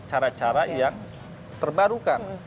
cara cara yang terbarukan